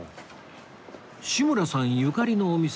志村さんゆかりのお店